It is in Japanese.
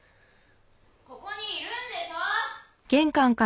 ・ここにいるんでしょ！